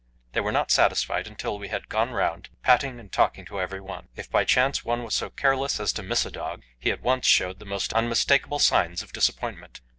They were not satisfied until we had gone round, patting and talking to every one. If by chance one was so careless as to miss a dog, he at once showed the most unmistakable signs of disappointment.